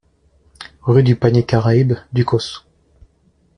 Rue du Panier Caraïbe, Ducos